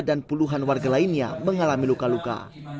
dan puluhan warga lainnya mengalami luka luka